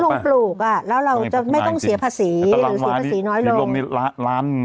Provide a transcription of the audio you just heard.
แล้วเราจะไม่ต้องเสียภาษี